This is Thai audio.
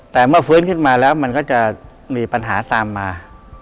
แต่เมื่อฟื้นขึ้นมาแล้วมันก็จะมีปัญหาตามมา